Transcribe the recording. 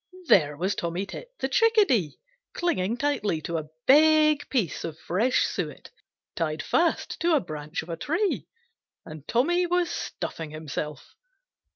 There was Tommy Tit the Chickadee clinging tightly to a big piece of fresh suet tied fast to a branch of a tree, and Tommy was stuffing himself.